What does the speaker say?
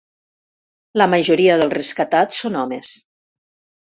La majoria dels rescatats són homes